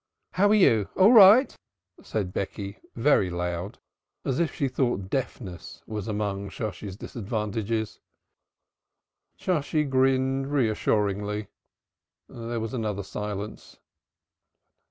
"How are you? All right?" said Becky, very loud, as if she thought deafness was among Shosshi's disadvantages. Shosshi grinned reassuringly. There was another silence.